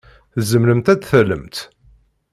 Tzemremt ad d-tallemt.